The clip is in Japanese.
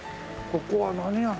ここは何屋？